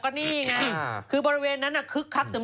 ปลาหมึกแท้เต่าทองอร่อยทั้งชนิดเส้นบดเต็มตัว